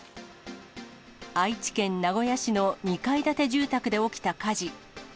愛知県名古屋市の２階建て住宅で起きた火事。